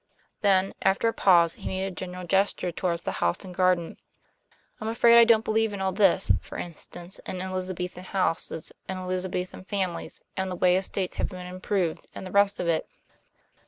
Then, after a pause, he made a general gesture toward the house and garden. "I'm afraid I don't believe in all this; for instance, in Elizabethan houses and Elizabethan families and the way estates have been improved, and the rest of it.